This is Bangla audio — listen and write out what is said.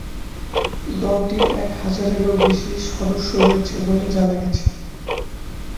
দলটির এক হাজারেরও বেশি সদস্য রয়েছে বলে জানা গেছে।